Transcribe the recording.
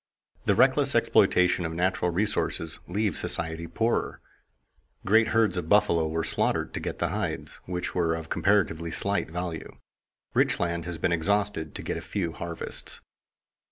The reckless exploitation of natural resources leaves society poorer. Great herds of buffalo were slaughtered to get the hides, which were of comparatively slight value. Rich land has been exhausted to get a few harvests.